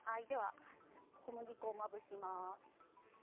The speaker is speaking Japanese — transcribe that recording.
小麦粉をまぶします。